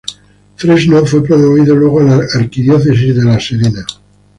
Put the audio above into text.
Fresno fue promovido luego a la Arquidiócesis de La Serena.